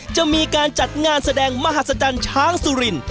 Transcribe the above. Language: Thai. จะมีการจัดงานแสดงมหัศจรรย์ช้างสุริน